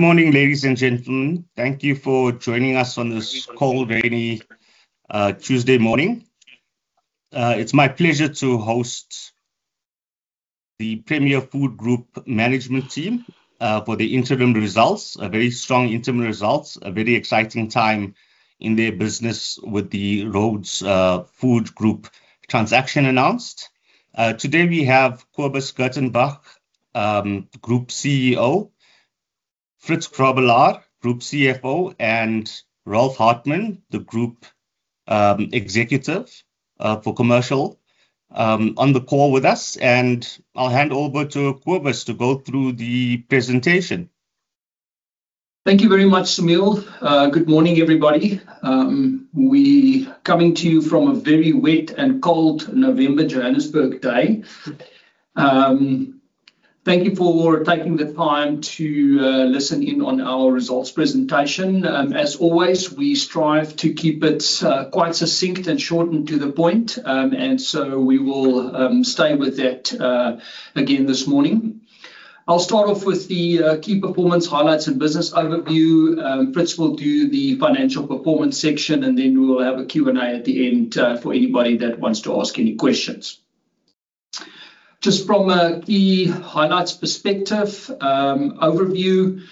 Good morning, ladies and gentlemen. Thank you for joining us on this cold, rainy Tuesday morning. It's my pleasure to host the Premier Food Group management team for the interim results, very strong interim results, a very exciting time in their business with the Rhodes Food Group transaction announced. Today we have Kobus Gertenbach, Group CEO, Fritz Grobbelaar, Group CFO, and Rolf Hartmann, the Group Executive for Commercial, on the call with us, and I'll hand over to Kobus to go through the presentation. Thank you very much, Samir. Good morning, everybody. We are coming to you from a very wet and cold November Johannesburg day. Thank you for taking the time to listen in on our results presentation. As always, we strive to keep it quite succinct and short and to the point, and so we will stay with that again this morning. I'll start off with the key performance highlights and business overview. Fritz will do the financial performance section, and then we'll have a Q&A at the end for anybody that wants to ask any questions. Just from a key highlights perspective overview,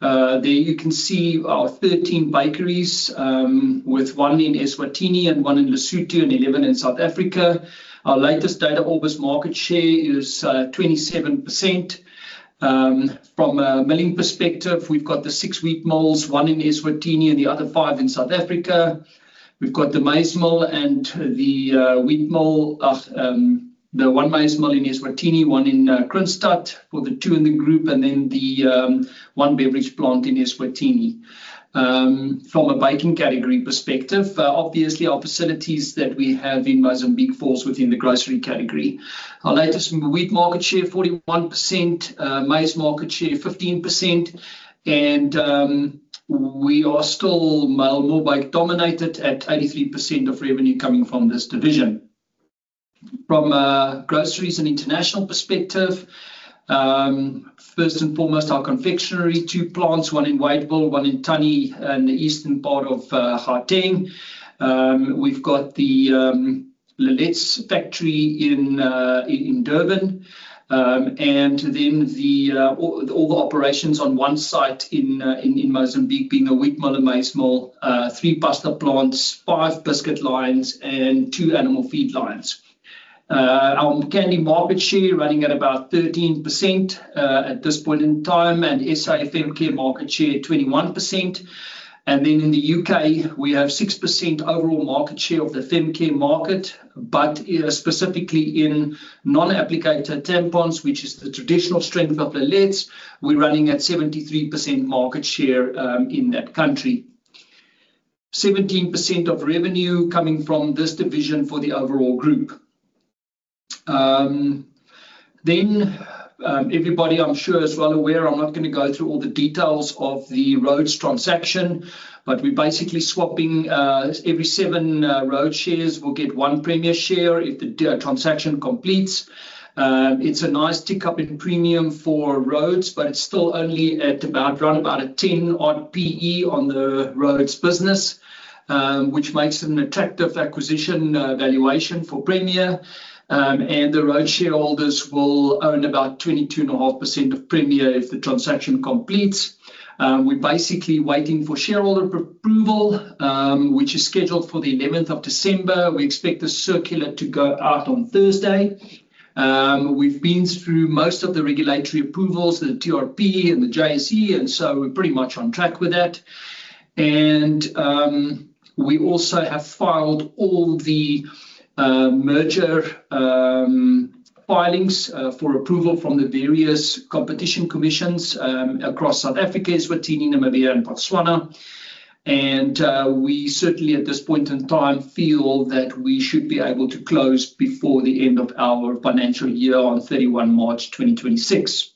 there you can see our 13 bakeries, with one in Eswatini and one in Lesotho and 11 in South Africa. Our latest data: August market share is 27%. From a milling perspective, we've got the six wheat mills, one in Eswatini and the other five in South Africa. We've got the maize mill and the wheat mill, the one maize mill in Eswatini, one in Kroonstad for the two in the group, and then the one beverage plant in Eswatini. From a baking category perspective, obviously our facilities that we have in Mozambique falls within the grocery category. Our latest wheat market share is 41%, maize market share is 15%, and we are still Millbake dominated at 83% of revenue coming from this division. From a groceries and international perspective, first and foremost, our confectionery two plants, one in Wadeville, one in Tunney, and the eastern part of Gauteng. We've got the Lil-lets factory in Durban, and then all the operations on one site in Mozambique being a wheat mill and maize mill, three pasta plants, five biscuit lines, and two animal feed lines. Our candy market share is running at about 13% at this point in time, and SA femcare market share is 21%. And then in the U.K., we have 6% overall market share of the femcare market, but specifically in non-applicator tampons, which is the traditional strength of the Lil-lets, we're running at 73% market share in that country. 17% of revenue coming from this division for the overall group. Then everybody, I'm sure, is well aware. I'm not going to go through all the details of the Rhodes transaction, but we're basically swapping every seven Rhodes shares. We'll get one Premier share if the transaction completes. It's a nice tick up in premium for Rhodes, but it's still only at about run about a 10 odd P/E on the Rhodes business, which makes an attractive acquisition valuation for Premier. The Rhodes shareholders will own about 22.5% of Premier if the transaction completes. We're basically waiting for shareholder approval, which is scheduled for the 11th of December. We expect the circular to go out on Thursday. We've been through most of the regulatory approvals, the TRP and the JSE, and so we're pretty much on track with that. And we also have filed all the merger filings for approval from the various competition commissions across South Africa: Eswatini, Namibia, and Botswana. And we certainly, at this point in time, feel that we should be able to close before the end of our financial year on 31 March 2026.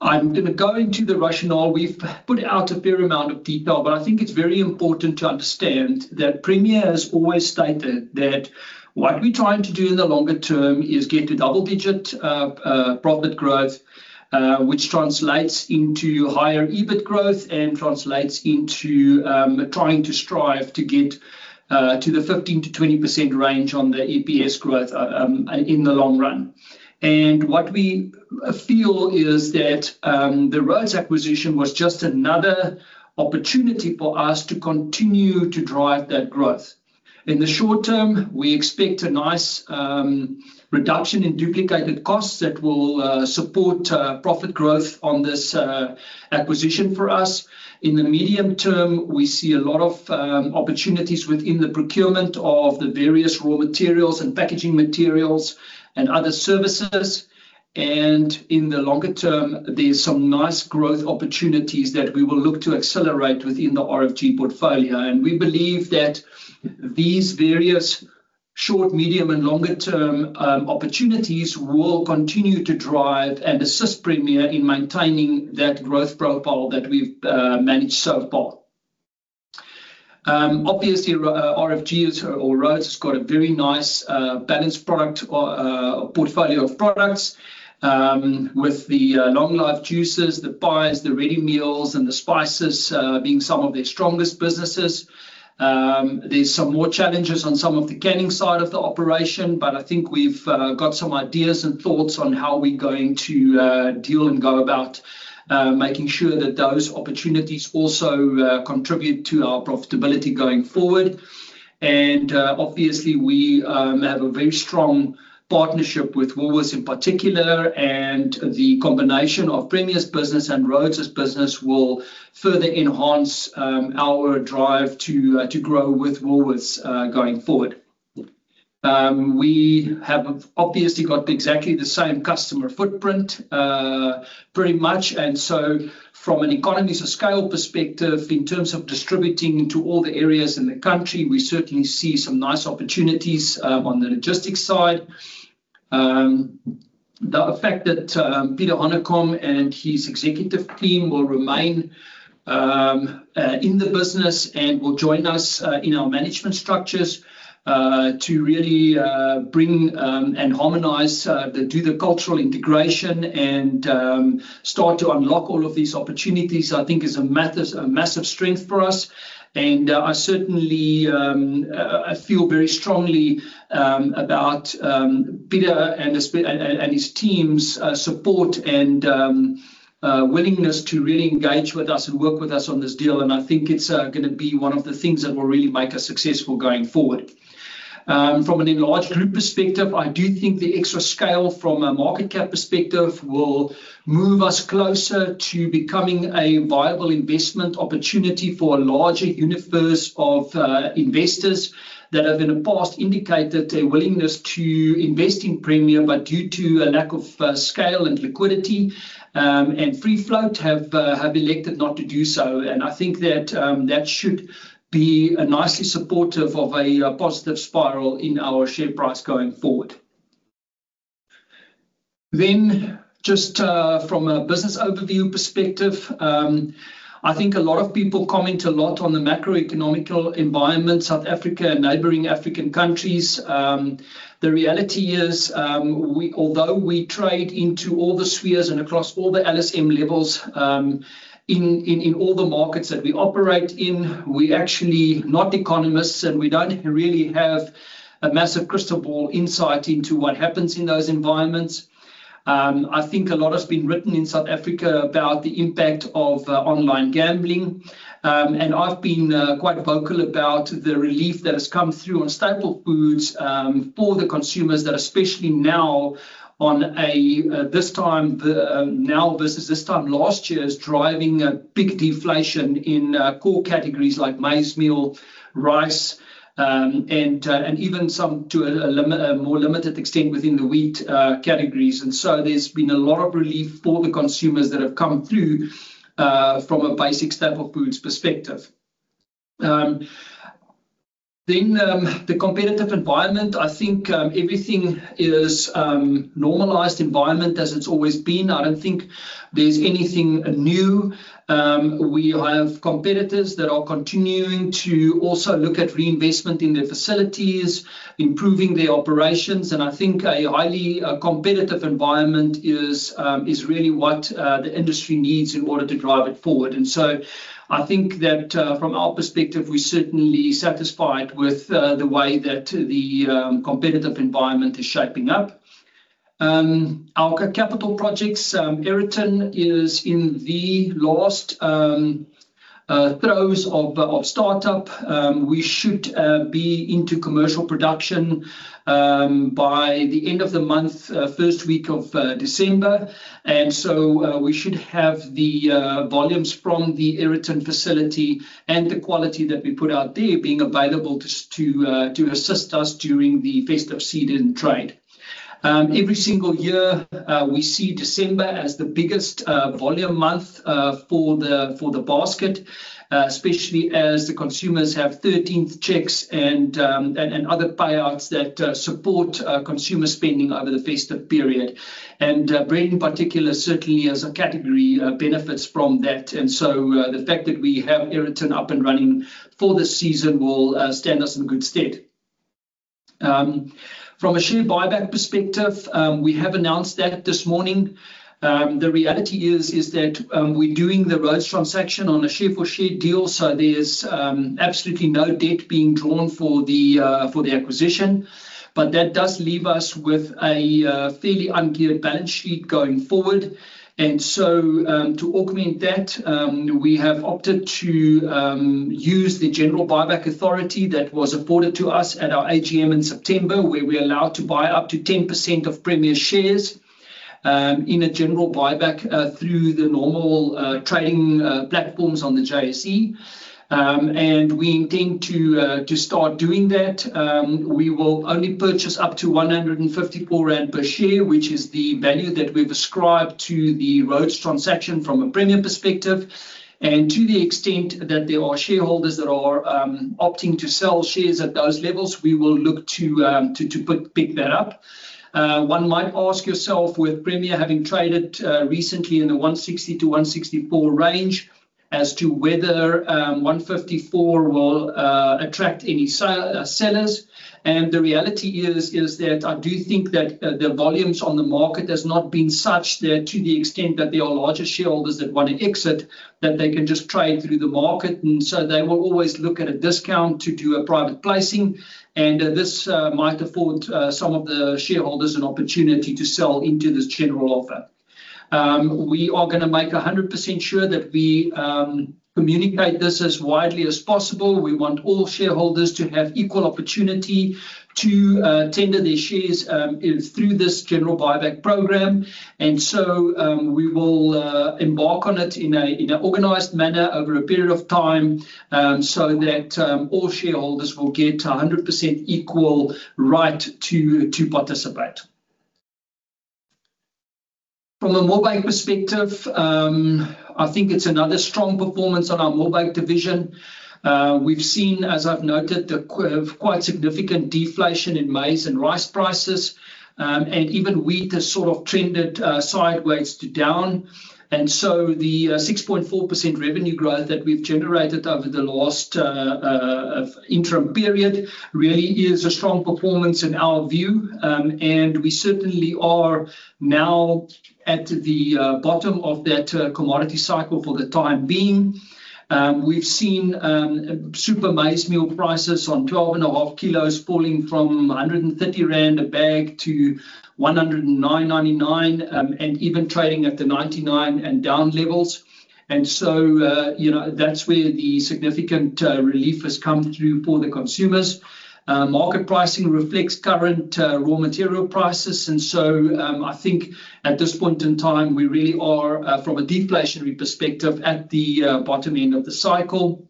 I'm going to go into the rationale. We've put out a fair amount of detail, but I think it's very important to understand that Premier has always stated that what we're trying to do in the longer term is get to double-digit profit growth, which translates into higher EBIT growth and translates into trying to strive to get to the 15%-20% range on the EPS growth in the long run, and what we feel is that the Rhodes acquisition was just another opportunity for us to continue to drive that growth. In the short term, we expect a nice reduction in duplicated costs that will support profit growth on this acquisition for us. In the medium term, we see a lot of opportunities within the procurement of the various raw materials and packaging materials and other services. And in the longer term, there's some nice growth opportunities that we will look to accelerate within the RFG portfolio. And we believe that these various short, medium, and longer-term opportunities will continue to drive and assist Premier in maintaining that growth profile that we've managed so far. Obviously, RFG or Rhodes has got a very nice balanced product portfolio of products with the long-life juices, the pies, the ready meals, and the spices being some of their strongest businesses. There's some more challenges on some of the canning side of the operation, but I think we've got some ideas and thoughts on how we're going to deal and go about making sure that those opportunities also contribute to our profitability going forward. And obviously, we have a very strong partnership with Woolworths in particular, and the combination of Premier's business and Rhodes's business will further enhance our drive to grow with Woolworths going forward. We have obviously got exactly the same customer footprint pretty much. And so from an economies of scale perspective, in terms of distributing to all the areas in the country, we certainly see some nice opportunities on the logistics side. The fact that Pieter Hanekom and his executive team will remain in the business and will join us in our management structures to really bring and harmonize, do the cultural integration, and start to unlock all of these opportunities, I think, is a massive strength for us. And I certainly feel very strongly about Pieter Hanekom and his team's support and willingness to really engage with us and work with us on this deal. I think it's going to be one of the things that will really make us successful going forward. From an enlarged group perspective, I do think the extra scale from a market cap perspective will move us closer to becoming a viable investment opportunity for a larger universe of investors that have in the past indicated their willingness to invest in Premier, but due to a lack of scale and liquidity and free float, have elected not to do so. I think that that should be nicely supportive of a positive spiral in our share price going forward. Just from a business overview perspective, I think a lot of people comment a lot on the macroeconomic environment, South Africa and neighboring African countries. The reality is, although we trade into all the spheres and across all the LSM levels in all the markets that we operate in, we actually are not economists, and we don't really have a massive crystal ball insight into what happens in those environments. I think a lot has been written in South Africa about the impact of online gambling, and I've been quite vocal about the relief that has come through on staple foods for the consumers, that especially now at this time now versus this time last year is driving a big deflation in core categories like maize meal, rice, and even some to a more limited extent within the wheat categories. So there's been a lot of relief for the consumers that have come through from a basic staple foods perspective. Then the competitive environment, I think everything is a normalized environment as it's always been. I don't think there's anything new. We have competitors that are continuing to also look at reinvestment in their facilities, improving their operations. And I think a highly competitive environment is really what the industry needs in order to drive it forward. And so I think that from our perspective, we're certainly satisfied with the way that the competitive environment is shaping up. Our capital projects, Aeroton is in the last throes of startup. We should be into commercial production by the end of the month, first week of December. And so we should have the volumes from the Aeroton facility and the quality that we put out there being available to assist us during the festive season trade. Every single year, we see December as the biggest volume month for the basket, especially as the consumers have 13th cheques and other payouts that support consumer spending over the festive period, and bread in particular certainly has a category of benefits from that, and so the fact that we have Aeroton up and running for the season will stand us in good stead. From a share buyback perspective, we have announced that this morning. The reality is that we're doing the Rhodes transaction on a share-for-share deal, so there's absolutely no debt being drawn for the acquisition, but that does leave us with a fairly unclear balance sheet going forward. To augment that, we have opted to use the general buyback authority that was afforded to us at our AGM in September, where we're allowed to buy up to 10% of Premier shares in a general buyback through the normal trading platforms on the JSE. We intend to start doing that. We will only purchase up to 154 rand per share, which is the value that we've ascribed to the Rhodes transaction from a Premier perspective. To the extent that there are shareholders that are opting to sell shares at those levels, we will look to pick that up. One might ask yourself, with Premier having traded recently in the 160-164 range, as to whether 154 will attract any sellers. The reality is that I do think that the volumes on the market have not been such that to the extent that there are larger shareholders that want to exit, that they can just trade through the market. And so they will always look at a discount to do a private placing. And this might afford some of the shareholders an opportunity to sell into this general offer. We are going to make 100% sure that we communicate this as widely as possible. We want all shareholders to have equal opportunity to tender their shares through this general buyback program. And so we will embark on it in an organized manner over a period of time so that all shareholders will get 100% equal right to participate. From a Millbake perspective, I think it's another strong performance on our Millbake division. We've seen, as I've noted, quite significant deflation in maize and rice prices, and even wheat has sort of trended sideways to down. And so the 6.4% revenue growth that we've generated over the last interim period really is a strong performance in our view. And we certainly are now at the bottom of that commodity cycle for the time being. We've seen super maize meal prices on 12.5 kilos falling from 130 rand a bag to 109.99 and even trading at the 99 and down levels. And so that's where the significant relief has come through for the consumers. Market pricing reflects current raw material prices. And so I think at this point in time, we really are, from a deflationary perspective, at the bottom end of the cycle.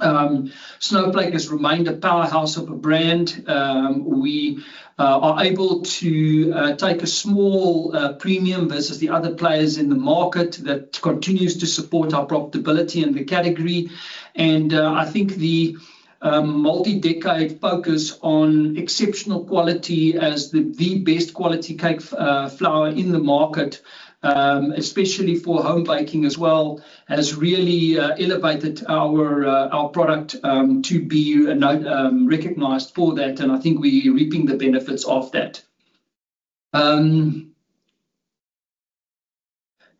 Snowflake has remained a powerhouse of a brand. We are able to take a small premium versus the other players in the market that continues to support our profitability in the category. And I think the multi-decade focus on exceptional quality as the best quality cake flour in the market, especially for home baking as well, has really elevated our product to be recognized for that. And I think we're reaping the benefits of that.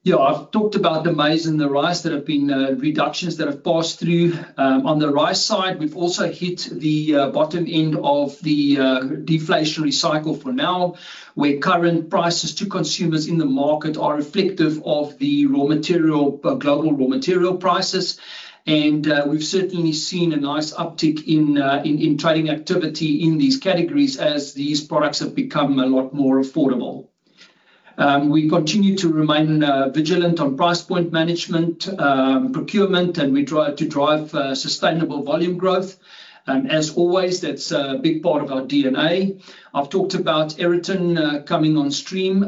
Yeah, I've talked about the maize and the rice that have been reductions that have passed through. On the rice side, we've also hit the bottom end of the deflationary cycle for now, where current prices to consumers in the market are reflective of the global raw material prices. And we've certainly seen a nice uptick in trading activity in these categories as these products have become a lot more affordable. We continue to remain vigilant on price point management, procurement, and we try to drive sustainable volume growth. As always, that's a big part of our DNA. I've talked about Aeroton coming on stream.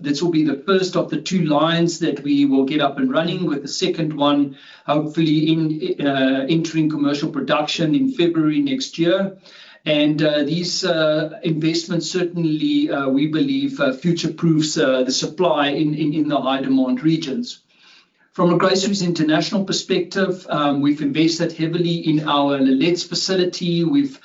This will be the first of the two lines that we will get up and running, with the second one hopefully entering commercial production in February next year, and these investments certainly, we believe, future-proof the supply in the high-demand regions. From a groceries international perspective, we've invested heavily in our Lil-lets facility. We've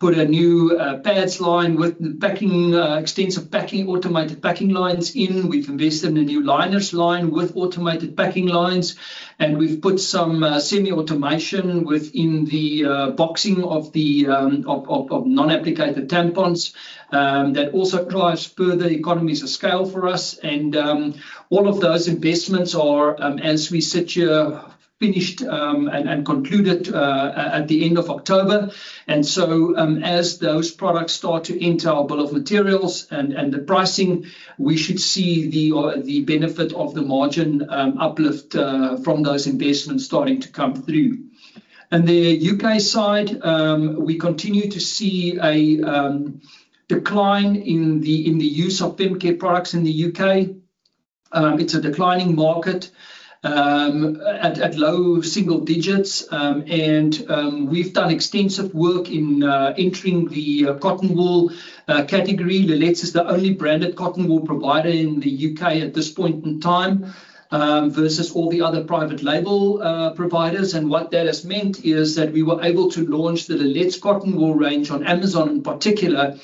put a new pads line with extensive packing automated packing lines in. We've invested in a new liners line with automated packing lines, and we've put some semi-automation within the boxing of non-applicator tampons that also drives further economies of scale for us, and all of those investments are, as we said, finished and concluded at the end of October. And so as those products start to enter our bill of materials and the pricing, we should see the benefit of the margin uplift from those investments starting to come through. On the U.K. side, we continue to see a decline in the use of femcare products in the U.K. It's a declining market at low single-digits. And we've done extensive work in entering the cotton wool category. Lil-lets is the only branded cotton wool provider in the U.K. at this point in time versus all the other private label providers. And what that has meant is that we were able to launch the Lil-lets cotton wool range on Amazon in particular,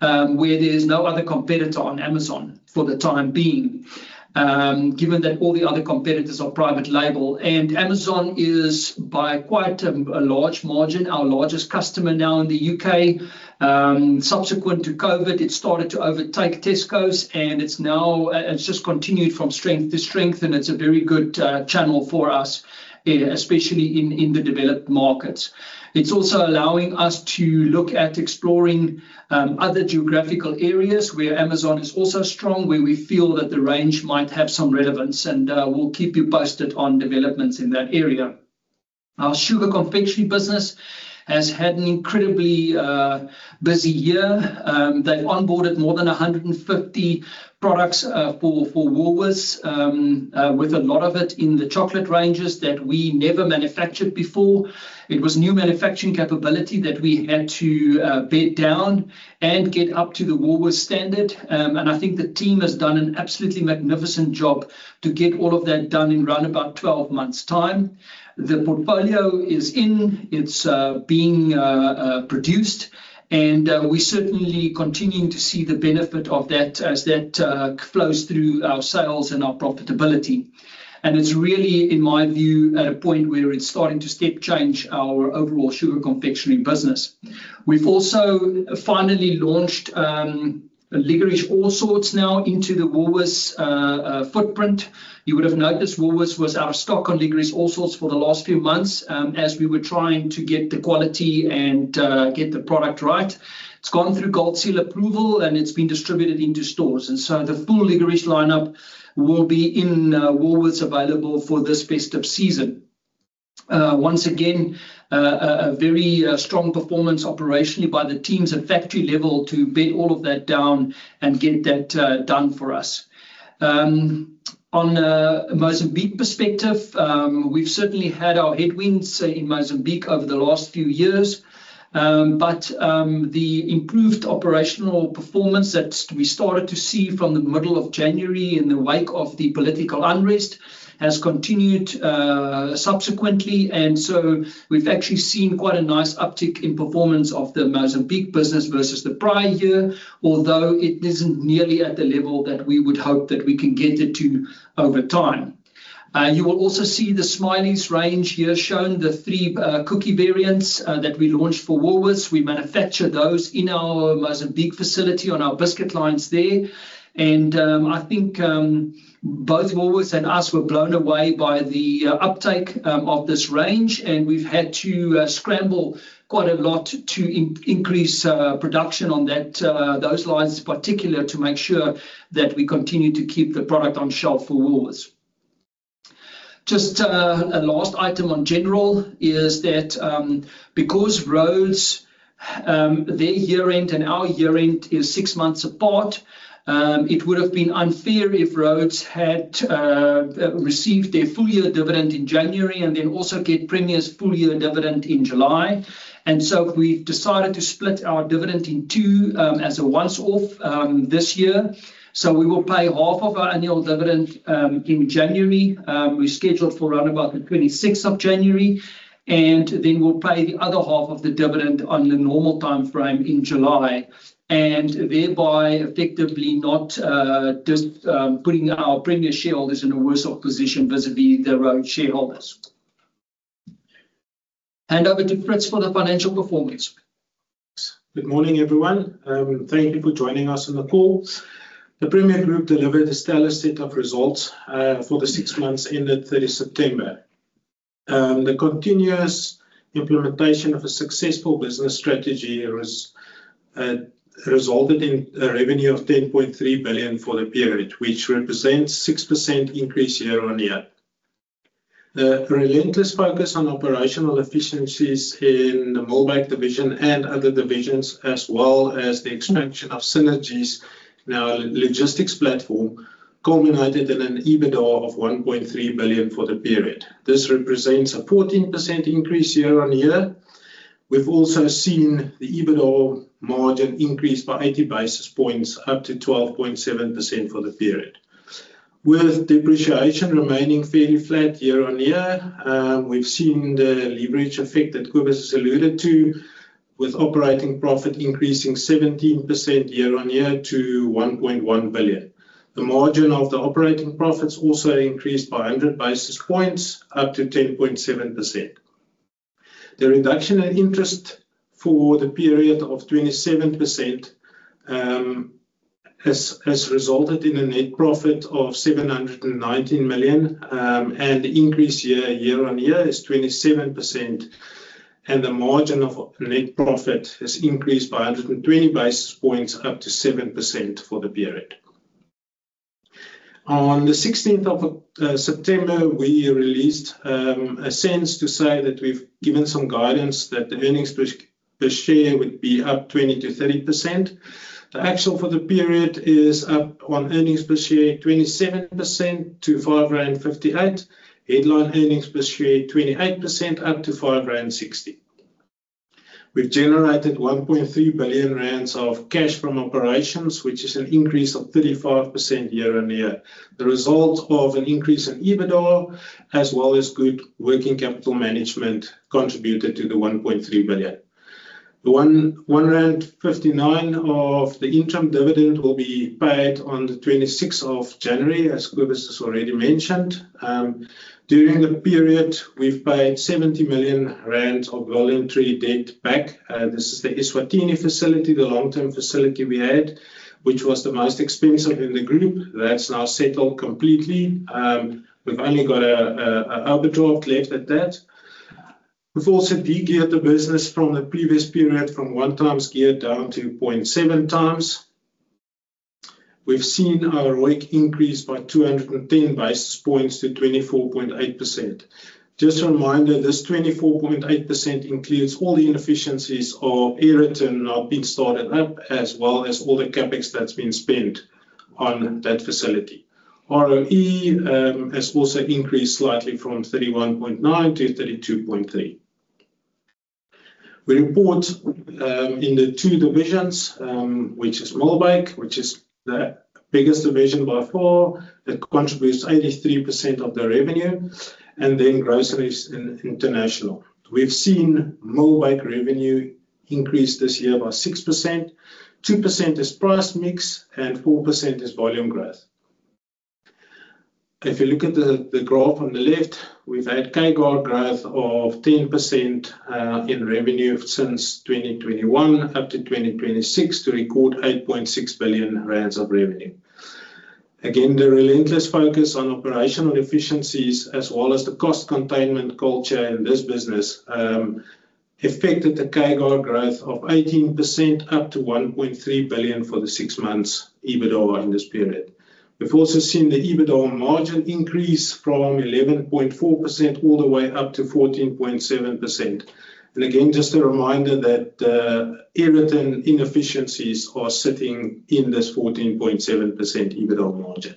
where there's no other competitor on Amazon for the time being, given that all the other competitors are private label. And Amazon is, by quite a large margin, our largest customer now in the U.K. Subsequent to COVID, it started to overtake Tesco's, and it's just continued from strength to strength. And it's a very good channel for us, especially in the developed markets. It's also allowing us to look at exploring other geographical areas where Amazon is also strong, where we feel that the range might have some relevance. And we'll keep you posted on developments in that area. Our sugar confectionery business has had an incredibly busy year. They've onboarded more than 150 products for Woolworths, with a lot of it in the chocolate ranges that we never manufactured before. It was new manufacturing capability that we had to bed down and get up to the Woolworths standard. And I think the team has done an absolutely magnificent job to get all of that done in around about 12 months' time. The portfolio is in. It's being produced. We're certainly continuing to see the benefit of that as that flows through our sales and our profitability. It's really, in my view, at a point where it's starting to step change our overall sugar confectionery business. We've also finally launched Liquorice Allsorts now into the Woolworths footprint. You would have noticed Woolworths was out of stock on Liquorice Allsorts for the last few months as we were trying to get the quality and get the product right. It's gone through Gold Seal approval, and it's been distributed into stores. The full Liquorice lineup will be in Woolworths available for this festive season. Once again, a very strong performance operationally by the teams at factory level to bed all of that down and get that done for us. On a Mozambique perspective, we've certainly had our headwinds in Mozambique over the last few years. But the improved operational performance that we started to see from the middle of January in the wake of the political unrest has continued subsequently. And so we've actually seen quite a nice uptick in performance of the Mozambique business versus the prior year, although it isn't nearly at the level that we would hope that we can get it to over time. You will also see the Smiles range here shown, the three cookie variants that we launched for Woolworths. We manufacture those in our Mozambique facility on our biscuit lines there. And I think both Woolworths and us were blown away by the uptake of this range. And we've had to scramble quite a lot to increase production on those lines in particular to make sure that we continue to keep the product on shelf for Woolworths. Just a last item on general is that because Rhodes' year-end and our year-end is six months apart, it would have been unfair if Rhodes had received their full year dividend in January and then also get Premier's full year dividend in July, and so we've decided to split our dividend in two as a once-off this year, so we will pay half of our annual dividend in January, we scheduled for around about the 26th of January, and then we'll pay the other half of the dividend on the normal timeframe in July, and thereby effectively not just putting our Premier shareholders in a worse position vis-à-vis the Rhodes shareholders. Hand over to Fritz for the financial performance. Good morning, everyone. Thank you for joining us on the call. The Premier Group delivered a stellar set of results for the six months ended 30 September. The continuous implementation of a successful business strategy resulted in a revenue of 10.3 billion for the period, which represents a 6% increase year on year. The relentless focus on operational efficiencies in the Millbake division and other divisions, as well as the expansion of Synergy's logistics platform, culminated in an EBITDA of 1.3 billion for the period. This represents a 14% increase year on year. We've also seen the EBITDA margin increase by 80 basis points, up to 12.7% for the period. With depreciation remaining fairly flat year on year, we've seen the leverage effect that Kobus has alluded to, with operating profit increasing 17% year on year to 1.1 billion. The margin of the operating profits also increased by 100 basis points, up to 10.7%. The reduction in interest for the period of 27% has resulted in a net profit of 719 million, and the increase year on year is 27%. The margin of net profit has increased by 120 basis points, up to 7% for the period. On the 16th of September, we released a SENS to say that we've given some guidance that the earnings per share would be up 20%-30%. The actual for the period is up on earnings per share 27% to 5.58, headline earnings per share 28%, up to 5.60. We've generated 1.3 billion rand of cash from operations, which is an increase of 35% year on year. The result of an increase in EBITDA, as well as good working capital management, contributed to the 1.3 billion. The 1.59 of the interim dividend will be paid on the 26th of January, as Kobus has already mentioned. During the period, we've paid 70 million rand of voluntary debt back. This is the Eswatini facility, the long-term facility we had, which was the most expensive in the group. That's now settled completely. We've only got an overdraft left at that. We've also degeared the business from the previous period, from one times geared down to 0.7 times. We've seen our ROIC increase by 210 basis points to 24.8%. Just a reminder, this 24.8% includes all the inefficiencies of Aeroton being started up, as well as all the CapEx that's been spent on that facility. ROE has also increased slightly from 31.9 to 32.3. We report in the two divisions, which is Millbake, which is the biggest division by far, that contributes 83% of the revenue, and then groceries and international. We've seen Millbake revenue increase this year by 6%. 2% is price mix, and 4% is volume growth. If you look at the graph on the left, we've had CAGR growth of 10% in revenue since 2021 up to 2026 to record 8.6 billion rand of revenue. Again, the relentless focus on operational efficiencies, as well as the cost containment culture in this business, affected the CAGR growth of 18% up to 1.3 billion for the six months EBITDA in this period. We've also seen the EBITDA margin increase from 11.4% all the way up to 14.7%. Again, just a reminder that Aeroton inefficiencies are sitting in this 14.7% EBITDA margin.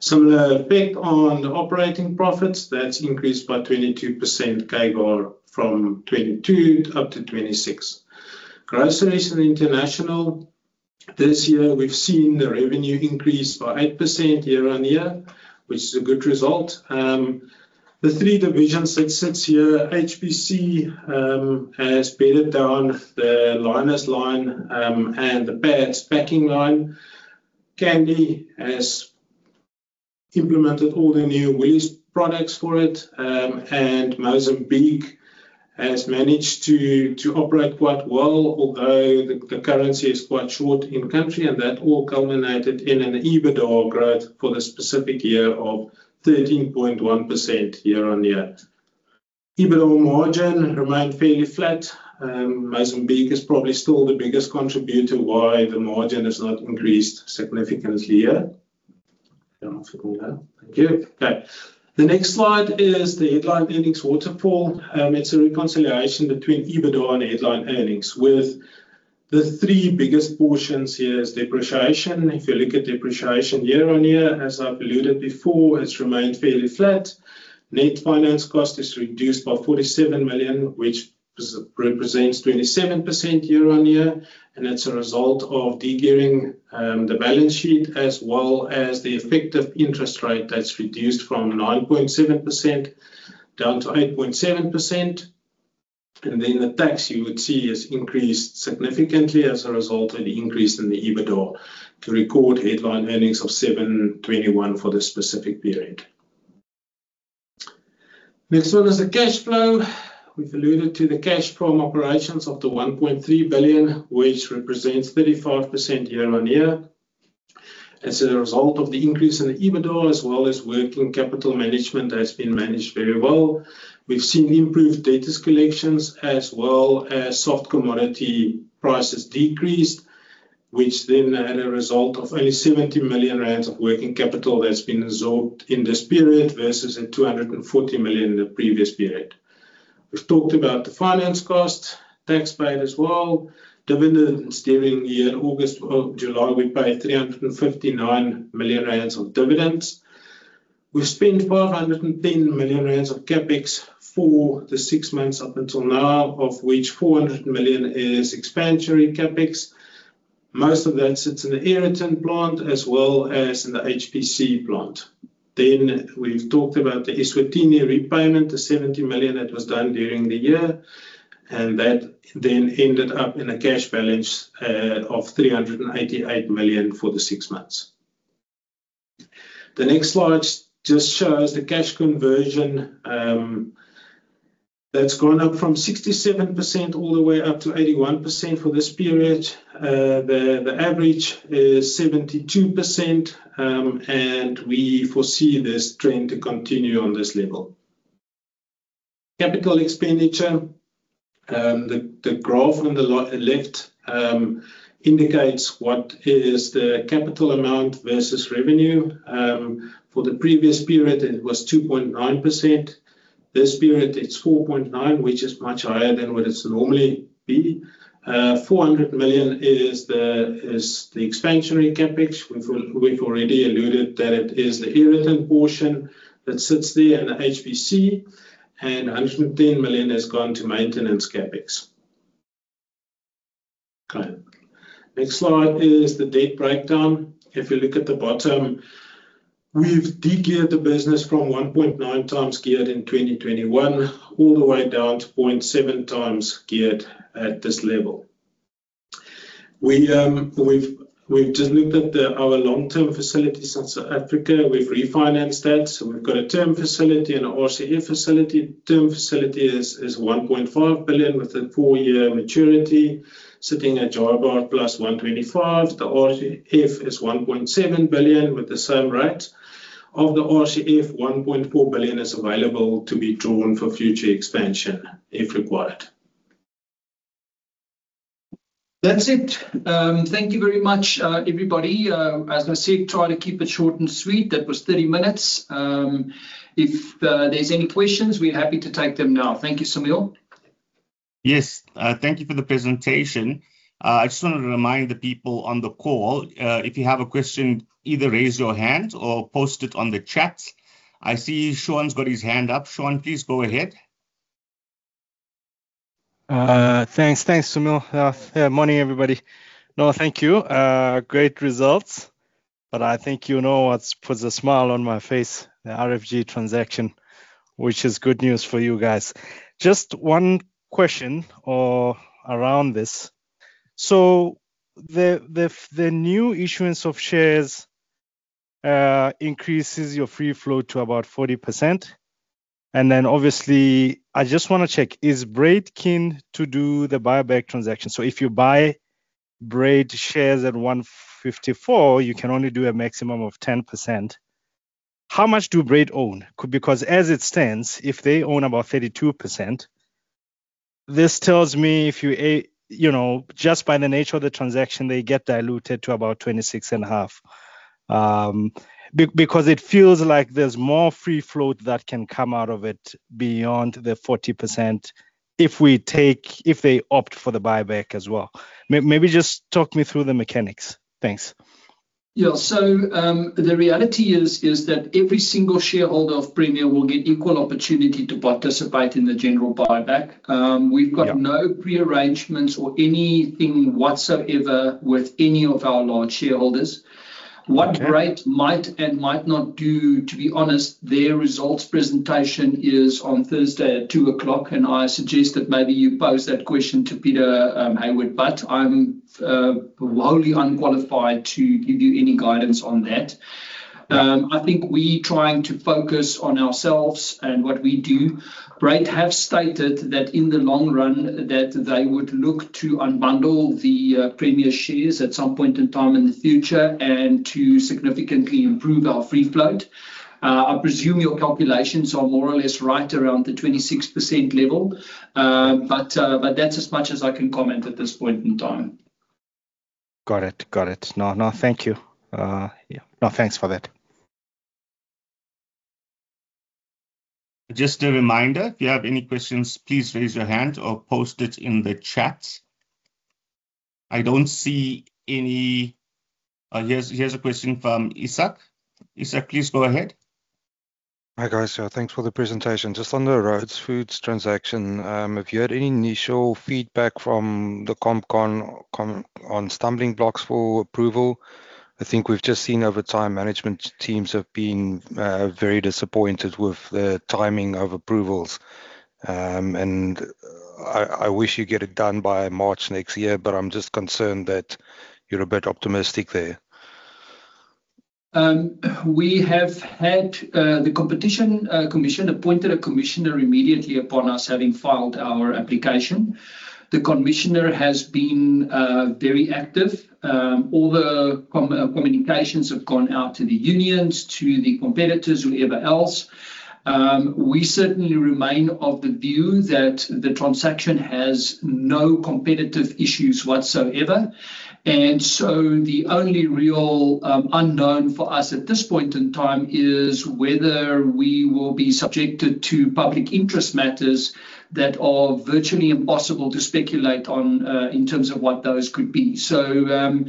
Similar effect on operating profits, that's increased by 22% CAGR from 2022 up to 2026. Groceries and international, this year we've seen the revenue increase by 8% year on year, which is a good result. The three divisions that sit here. HPC has bedded down the liners line and the pads packing line. Candy has implemented all the new Woolies products for it, and Mozambique has managed to operate quite well, although the currency is quite soft in country, and that all culminated in an EBITDA growth for the specific year of 13.1% year on year. EBITDA margin remained fairly flat. Mozambique is probably still the biggest contributor why the margin has not increased significantly here. Thank you. Okay. The next slide is the headline earnings waterfall. It is a reconciliation between EBITDA and headline earnings. With the three biggest portions here is depreciation. If you look at depreciation year on year, as I've alluded to before, it has remained fairly flat. Net finance cost is reduced by 47 million, which represents 27% year on year. It's a result of degearing the balance sheet, as well as the effective interest rate that's reduced from 9.7% down to 8.7%. Then the tax you would see has increased significantly as a result of the increase in the EBITDA to record headline earnings of 7.21 for the specific period. Next one is the cash flow. We've alluded to the cash from operations of 1.3 billion, which represents 35% year on year. As a result of the increase in the EBITDA, as well as working capital management that has been managed very well, we've seen improved debt collections, as well as soft commodity prices decreased, which then had a result of only 70 million rand of working capital that's been absorbed in this period versus 240 million in the previous period. We've talked about the finance cost, tax paid as well. Dividends during the year. August or July, we paid 359 million rand of dividends. We've spent 510 million rand of CapEx for the six months up until now, of which 400 million is expansionary CapEx. Most of that sits in the Aeroton plant, as well as in the HPC plant. Then we've talked about the Eswatini repayment, the 70 million that was done during the year, and that then ended up in a cash balance of 388 million for the six months. The next slide just shows the cash conversion that's gone up from 67% all the way up to 81% for this period. The average is 72%, and we foresee this trend to continue on this level. Capital expenditure, the graph on the left indicates what is the capital amount versus revenue. For the previous period, it was 2.9%. This period, it's 4.9%, which is much higher than what it's normally been. 400 million is the expansionary CapEx. We've already alluded that it is the Aeroton portion that sits there and HPC, and 110 million has gone to maintenance CapEx. Next slide is the debt breakdown. If you look at the bottom, we've degeared the business from 1.9 times geared in 2021 all the way down to 0.7 times geared at this level. We've just looked at our long-term facility in South Africa. We've refinanced that. So we've got a term facility and an RCF facility. Term facility is 1.5 billion with a four-year maturity sitting at JIBAR plus 125. The RCF is 1.7 billion with the same rate. Of the RCF, 1.4 billion is available to be drawn for future expansion if required. That's it. Thank you very much, everybody. As I said, try to keep it short and sweet. That was 30 minutes. If there's any questions, we're happy to take them now. Thank you, Samir. Yes. Thank you for the presentation. I just wanted to remind the people on the call, if you have a question, either raise your hand or post it on the chat. I see Shaun's got his hand up. Shaun, please go ahead. Thanks. Thanks, Samir. Morning, everybody. No, thank you. Great results. But I think you know what puts a smile on my face, the RFG transaction, which is good news for you guys. Just one question around this. So the new issuance of shares increases your free float to about 40%. And then obviously, I just want to check, is Brait keen to do the buyback transaction? So if you buy Brait shares at 154, you can only do a maximum of 10%. How much do Brait own? Because as it stands, if they own about 32%, this tells me if you just by the nature of the transaction, they get diluted to about 26.5%. Because it feels like there's more free float that can come out of it beyond the 40% if they opt for the buyback as well. Maybe just talk me through the mechanics. Thanks. Yeah. So the reality is that every single shareholder of Premier will get equal opportunity to participate in the general buyback. We've got no pre-arrangements or anything whatsoever with any of our large shareholders. What Brait might and might not do, to be honest, their results presentation is on Thursday at 2:00 P.M., and I suggest that maybe you pose that question to Peter Hayward-Butt, but I'm wholly unqualified to give you any guidance on that. I think we're trying to focus on ourselves and what we do. Brait have stated that in the long run that they would look to unbundle the Premier shares at some point in time in the future and to significantly improve our free float. I presume your calculations are more or less right around the 26% level, but that's as much as I can comment at this point in time. Got it. Got it. No, no, thank you. Yeah. No, thanks for that. Just a reminder, if you have any questions, please raise your hand or post it in the chat. I don't see any. Here's a question from Isak. Isak, please go ahead. Hi guys. Thanks for the presentation. Just on the Rhodes Foods transaction, have you had any initial feedback from the Competition Commission on stumbling blocks for approval? I think we've just seen over time management teams have been very disappointed with the timing of approvals. And I wish you get it done by March next year, but I'm just concerned that you're a bit optimistic there. We have had the Competition Commission appointed a commissioner immediately upon us having filed our application. The commissioner has been very active. All the communications have gone out to the unions, to the competitors, whoever else. We certainly remain of the view that the transaction has no competitive issues whatsoever. And so the only real unknown for us at this point in time is whether we will be subjected to public interest matters that are virtually impossible to speculate on in terms of what those could be. So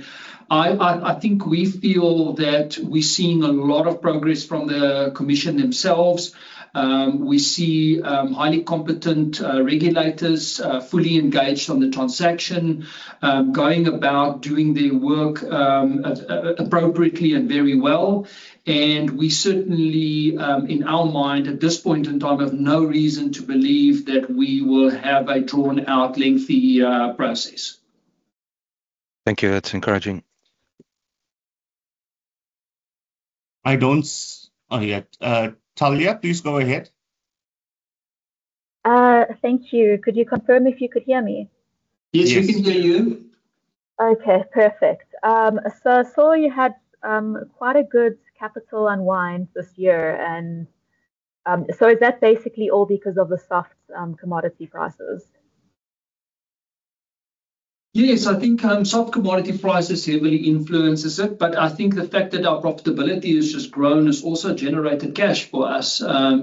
I think we feel that we're seeing a lot of progress from the commission themselves. We see highly competent regulators fully engaged on the transaction, going about doing their work appropriately and very well. And we certainly, in our mind, at this point in time, have no reason to believe that we will have a drawn-out lengthy process. Thank you. That's encouraging. I don't. Oh, yeah. Talia, please go ahead. Thank you. Could you confirm if you could hear me? Yes, we can hear you. Okay. Perfect. So I saw you had quite a good capital unwind this year. And so is that basically all because of the soft commodity prices? Yes. I think soft commodity prices heavily influences it. But I think the fact that our profitability has just grown has also generated cash for us. Our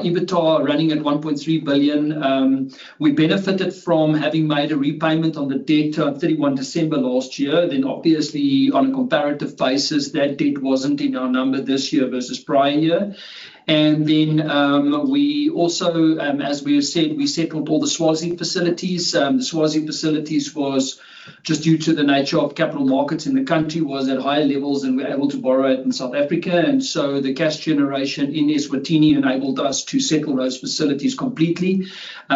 EBITDA running at 1.3 billion. We benefited from having made a repayment on the debt on 31 December last year. Then obviously, on a comparative basis, that debt wasn't in our number this year versus prior year. And then we also, as we have said, we settled all the Eswatini facilities. The Eswatini facilities was just due to the nature of capital markets in the country was at higher levels, and we were able to borrow it in South Africa. And so the cash generation in Eswatini enabled us to settle those facilities completely.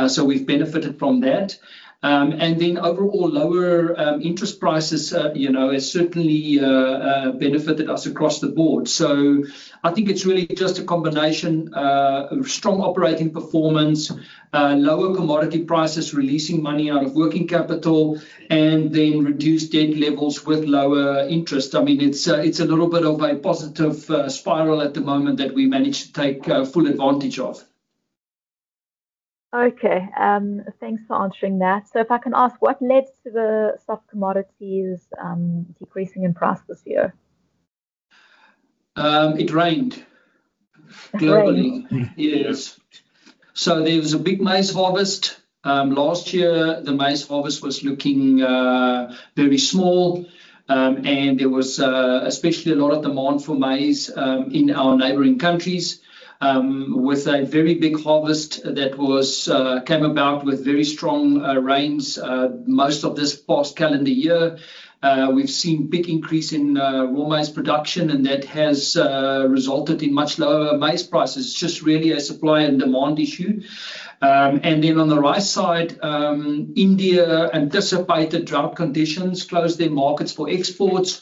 So we've benefited from that. And then overall, lower interest prices has certainly benefited us across the board. So I think it's really just a combination of strong operating performance, lower commodity prices, releasing money out of working capital, and then reduced debt levels with lower interest. I mean, it's a little bit of a positive spiral at the moment that we managed to take full advantage of. Okay. Thanks for answering that. So if I can ask, what led to the soft commodities decreasing in price this year? It rained globally. Yes. So there was a big maize harvest. Last year, the maize harvest was looking very small. And there was especially a lot of demand for maize in our neighboring countries with a very big harvest that came about with very strong rains most of this past calendar year. We've seen a big increase in raw maize production, and that has resulted in much lower maize prices. It's just really a supply and demand issue. And then on the right side, India anticipated drought conditions, closed their markets for exports.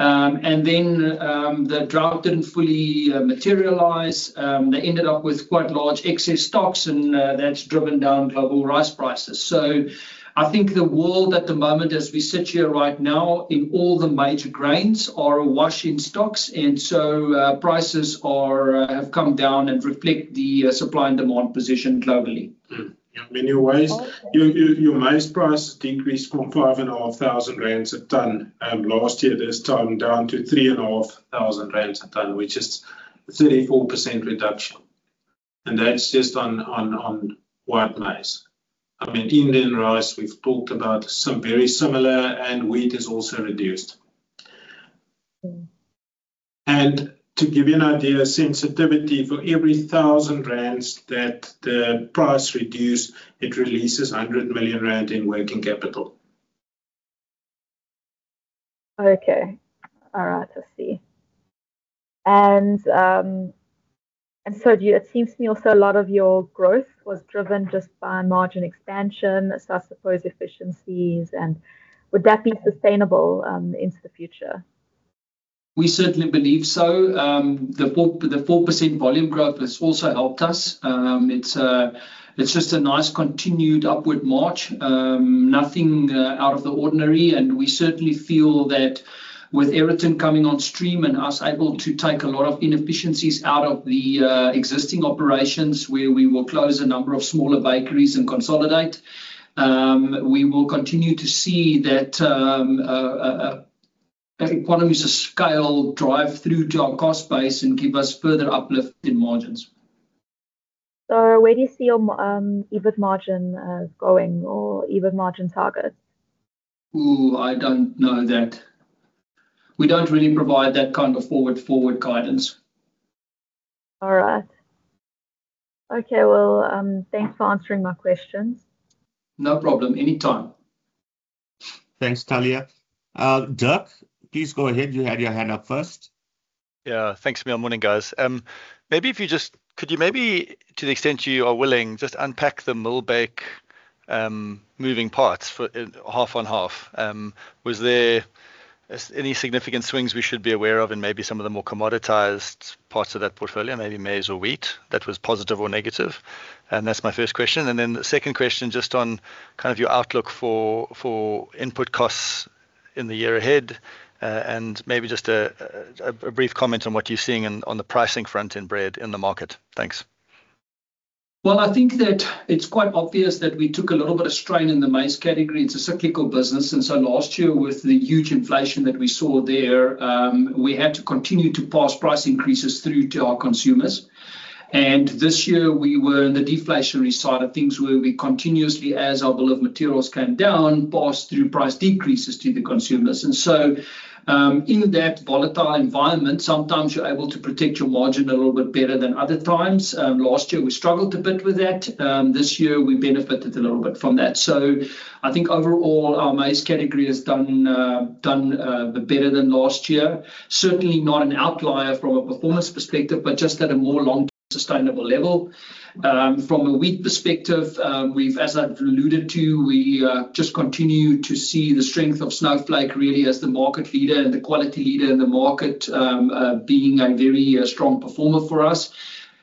And then the drought didn't fully materialize. They ended up with quite large excess stocks, and that's driven down global rice prices. So I think the world at the moment, as we sit here right now, in all the major grains, are a wash in stocks. And so prices have come down and reflect the supply and demand position globally. In many ways, your maize price decreased from 5,500 rand a ton last year. This time, down to 3,500 rand a ton, which is a 34% reduction. And that's just on white maize. I mean, Indian rice, we've talked about some very similar, and wheat is also reduced. And to give you an idea, sensitivity for every 1,000 rand that the price reduced, it releases 100 million rand in working capital. Okay. All right. I see. And so it seems to me also a lot of your growth was driven just by margin expansion. So I suppose efficiencies. And would that be sustainable into the future? We certainly believe so. The 4% volume growth has also helped us. It's just a nice continued upward march. Nothing out of the ordinary. And we certainly feel that with Aeroton coming on stream and us able to take a lot of inefficiencies out of the existing operations where we will close a number of smaller bakeries and consolidate, we will continue to see that economies of scale drive through to our cost base and give us further uplift in margins. So where do you see your EBIT margin going or EBIT margin targets? Ooh, I don't know that. We don't really provide that kind of forward-forward guidance. All right. Okay. Well, thanks for answering my questions. No problem. Anytime. Thanks, Talia. Dirk, please go ahead. You had your hand up first. Yeah. Thanks, Samir. Morning, guys. Maybe if you could, to the extent you are willing, just unpack the Millbake moving parts half on half? Was there any significant swings we should be aware of in maybe some of the more commoditized parts of that portfolio, maybe maize or wheat? That was positive or negative. And that's my first question. And then the second question just on kind of your outlook for input costs in the year ahead and maybe just a brief comment on what you're seeing on the pricing front in bread in the market. Thanks. Well, I think that it's quite obvious that we took a little bit of strain in the maize category. It's a cyclical business. And so last year, with the huge inflation that we saw there, we had to continue to pass price increases through to our consumers. And this year, we were in the deflationary side of things where we continuously, as our bill of materials came down, passed through price decreases to the consumers. And so in that volatile environment, sometimes you're able to protect your margin a little bit better than other times. Last year, we struggled a bit with that. This year, we benefited a little bit from that. So I think overall, our maize category has done better than last year. Certainly not an outlier from a performance perspective, but just at a more long-term sustainable level. From a wheat perspective, as I've alluded to, we just continue to see the strength of Snowflake really as the market leader and the quality leader in the market being a very strong performer for us.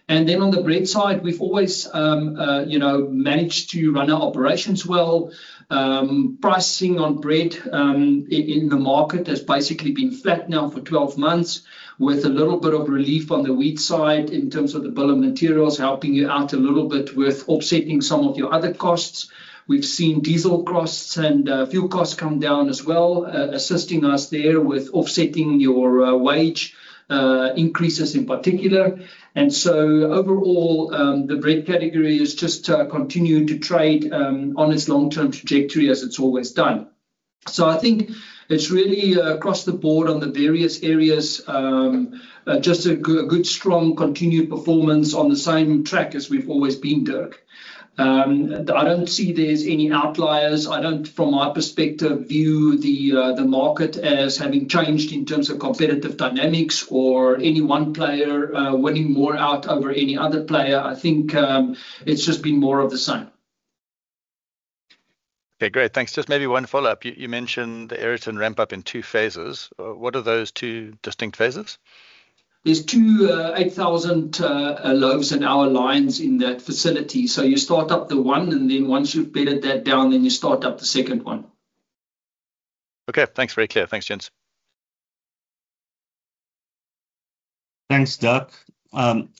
And then on the bread side, we've always managed to run our operations well. Pricing on bread in the market has basically been flat now for 12 months with a little bit of relief on the wheat side in terms of the bill of materials helping you out a little bit with offsetting some of your other costs. We've seen diesel costs and fuel costs come down as well, assisting us there with offsetting your wage increases in particular. And so overall, the bread category has just continued to trade on its long-term trajectory as it's always done. So I think it's really across the board on the various areas, just a good, strong continued performance on the same track as we've always been, Dirk. I don't see there's any outliers. I don't, from my perspective, view the market as having changed in terms of competitive dynamics or any one player winning more out over any other player. I think it's just been more of the same. Okay. Great. Thanks. Just maybe one follow-up. You mentioned the Aeroton ramp-up in two phases. What are those two distinct phases? There's two 8,000 loaves an hour lines in that facility. So you start up the one, and then once you've bedded that down, then you start up the second one. Okay. Thanks. Very clear. Thanks. Thanks, Dirk.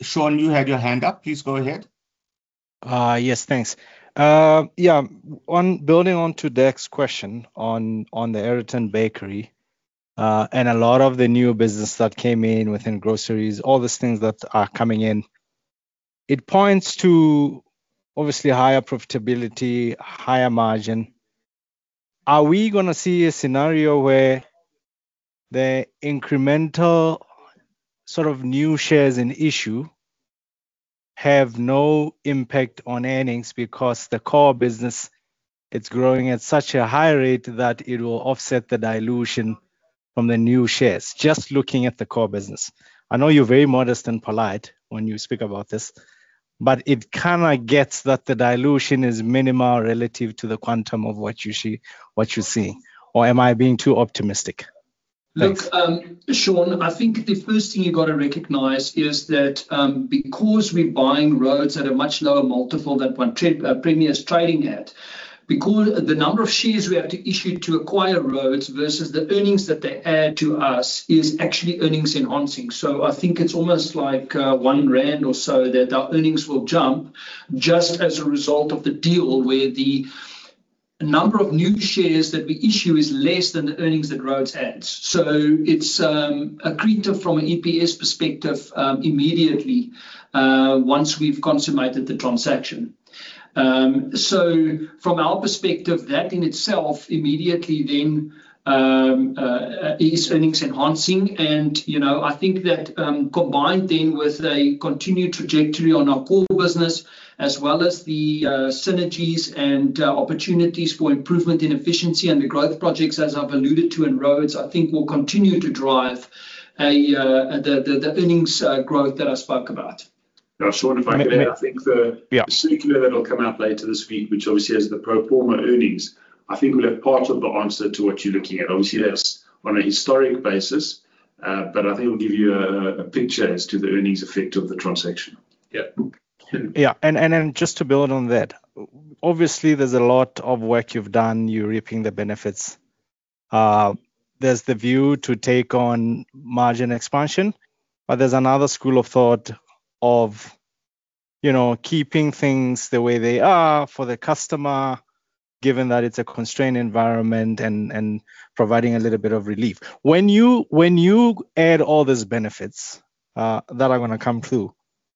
Shaun, you had your hand up. Please go ahead. Yes. Thanks. Yeah. Building on to Dirk's question on the Aeroton bakery and a lot of the new business that came in within groceries, all the things that are coming in, it points to obviously higher profitability, higher margin. Are we going to see a scenario where the incremental sort of new shares in issue have no impact on earnings because the core business, it's growing at such a high rate that it will offset the dilution from the new shares? Just looking at the core business, I know you're very modest and polite when you speak about this, but it kind of gets that the dilution is minimal relative to the quantum of what you see. Or am I being too optimistic? Look, Shaun, I think the first thing you've got to recognize is that because we're buying Rhodes at a much lower multiple than what Premier's trading at, the number of shares we have to issue to acquire Rhodes versus the earnings that they add to us is actually earnings enhancing. I think it's almost like 1 rand or so that our earnings will jump just as a result of the deal where the number of new shares that we issue is less than the earnings that Rhodes adds. It's accretive from an EPS perspective immediately once we've consummated the transaction. From our perspective, that in itself immediately then is earnings enhancing. I think that combined then with a continued trajectory on our core business as well as the synergies and opportunities for improvement in efficiency and the growth projects, as I've alluded to in Rhodes, I think will continue to drive the earnings growth that I spoke about. Yeah. Shaun, if I can add, I think the circular that will come out later this week, which obviously has the pro forma earnings, I think will have part of the answer to what you're looking at. Obviously, that's on a historic basis, but I think it'll give you a picture as to the earnings effect of the transaction. Yeah. Yeah. And then just to build on that, obviously, there's a lot of work you've done. You're reaping the benefits. There's the view to take on margin expansion, but there's another school of thought of keeping things the way they are for the customer, given that it's a constrained environment and providing a little bit of relief. When you add all these benefits that are going to come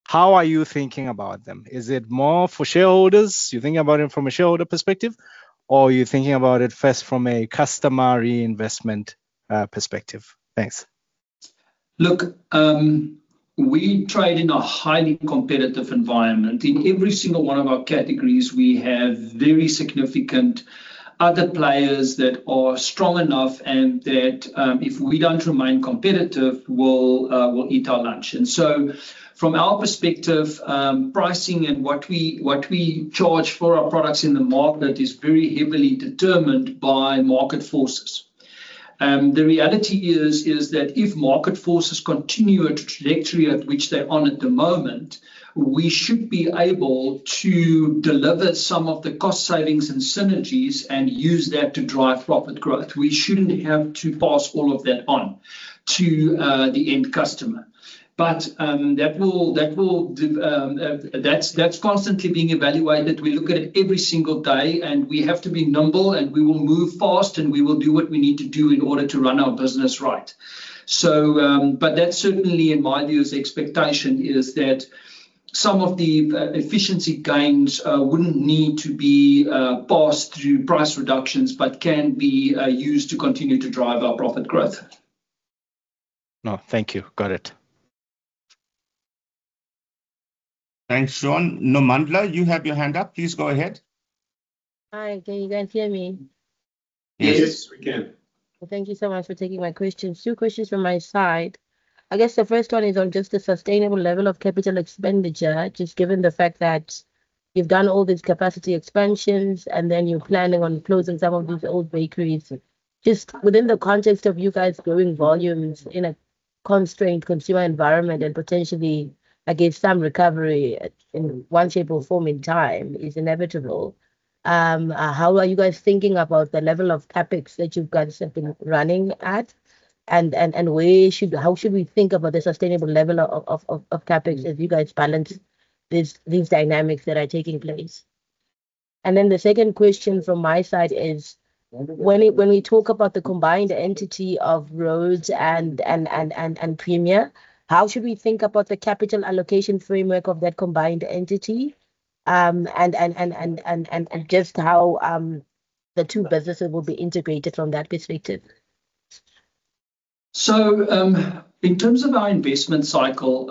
through, how are you thinking about them? Is it more for shareholders? You're thinking about it from a shareholder perspective, or are you thinking about it first from a customer reinvestment perspective? Thanks. Look, we trade in a highly competitive environment. In every single one of our categories, we have very significant other players that are strong enough and that if we don't remain competitive, will eat our lunch. And so from our perspective, pricing and what we charge for our products in the market is very heavily determined by market forces. The reality is that if market forces continue at the trajectory at which they are at the moment, we should be able to deliver some of the cost savings and synergies and use that to drive profit growth. We shouldn't have to pass all of that on to the end customer. But that's constantly being evaluated. We look at it every single day, and we have to be nimble, and we will move fast, and we will do what we need to do in order to run our business right. But that's certainly, in my view, the expectation is that some of the efficiency gains wouldn't need to be passed through price reductions but can be used to continue to drive our profit growth. No. Thank you. Got it. Thanks, Shaun. Nomandla, you have your hand up. Please go ahead. Hi. Can you guys hear me? Yes. Yes. We can. Thank you so much for taking my questions. Two questions from my side. I guess the first one is on just the sustainable level of capital expenditure, just given the fact that you've done all these capacity expansions and then you're planning on closing some of these old bakeries. Just within the context of you guys growing volumes in a constrained consumer environment and potentially against some recovery in one shape or form in time is inevitable. How are you guys thinking about the level of CapEx that you guys have been running at? And how should we think about the sustainable level of CapEx as you guys balance these dynamics that are taking place? And then the second question from my side is, when we talk about the combined entity of Rhodes and Premier, how should we think about the capital allocation framework of that combined entity? Just how the two businesses will be integrated from that perspective? So in terms of our investment cycle,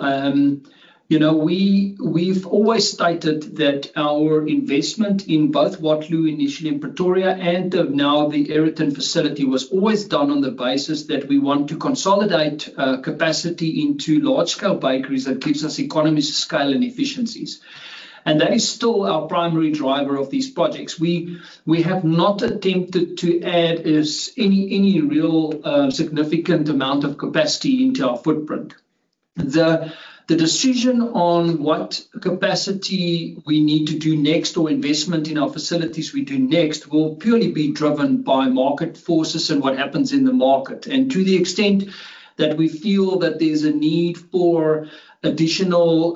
we've always stated that our investment in both Waltloo initially in Pretoria and now the Aeroton facility was always done on the basis that we want to consolidate capacity into large-scale bakeries that gives us economies of scale and efficiencies. That is still our primary driver of these projects. We have not attempted to add any real significant amount of capacity into our footprint. The decision on what capacity we need to do next or investment in our facilities we do next will purely be driven by market forces and what happens in the market. To the extent that we feel that there's a need for additional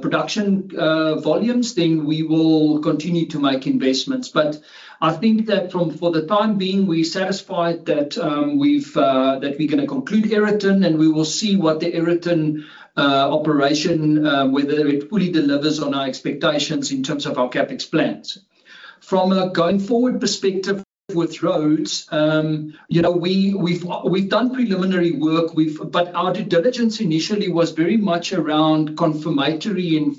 production volumes, then we will continue to make investments. But I think that for the time being, we're satisfied that we're going to conclude Aeroton, and we will see what the Aeroton operation, whether it fully delivers on our expectations in terms of our CapEx plans. From a going-forward perspective with Rhodes, we've done preliminary work, but our due diligence initially was very much around confirmatory in